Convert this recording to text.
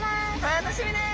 楽しみです。